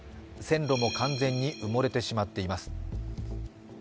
線路も完全に埋もれてしまっています。